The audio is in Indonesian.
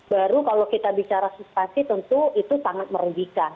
baru kalau kita bicara suspasi tentu itu sangat merugikan